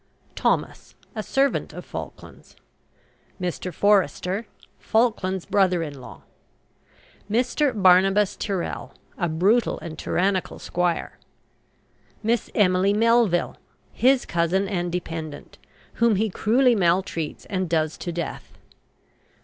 THOMAS, a servant of Falkland's. MR. FORESTER, Falkland's brother in law. MR. BARNABAS TYRREL, a brutal and tyrannical squire. MISS EMILY MELVILLE, his cousin and dependent, whom he cruelly maltreats and does to death.